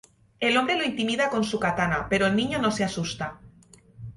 El hombre lo intimida con su katana, pero el niño no se asusta.